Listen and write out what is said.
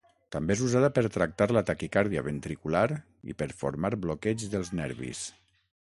També és usada per tractar la taquicàrdia ventricular i per formar bloqueig dels nervis.